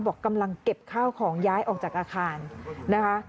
บอกกำลังเก็บข้าวของย้ายออกจากอาคารนะคะ